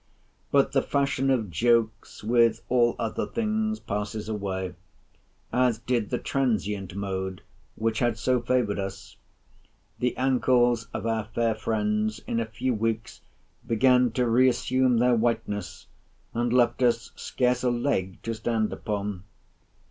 But the fashion of jokes, with all other things, passes away; as did the transient mode which had so favoured us. The ancles of our fair friends in a few weeks began to reassume their whiteness, and left us scarce a leg to stand upon.